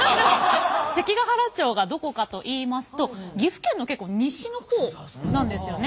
関ケ原町がどこかといいますと岐阜県の西の方なんですよね。